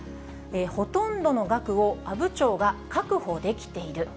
ほとんどの額を阿武町が確保できている。